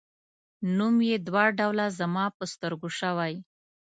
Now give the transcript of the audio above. نوم یې دوه ډوله زما په سترګو شوی.